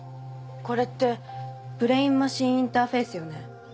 これってブレイン・マシン・インターフェースよね？